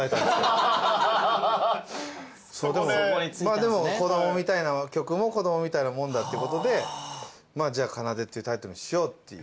まあでも曲も子供みたいなもんだってことでじゃあ『奏』っていうタイトルにしようっていう。